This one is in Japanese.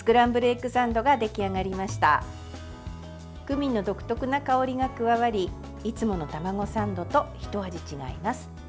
クミンの独特な香りが加わりいつもの卵サンドとひと味違います。